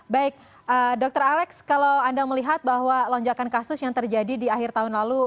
baik dr alex kalau anda melihat bahwa lonjakan kasus yang terjadi di akhir tahun lalu